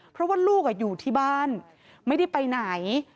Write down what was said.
เพราะว่าลูกอยู่ที่บ้านไม่ได้ไปไหน